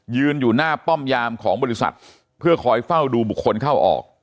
ยืนอยู่หน้าป้อมยามของบริษัทเพื่อคอยเฝ้าดูบุคคลเข้าออก